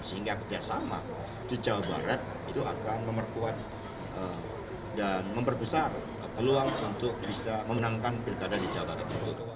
sehingga kerjasama di jawa barat itu akan memperkuat dan memperbesar peluang untuk bisa memenangkan pilkada di jawa barat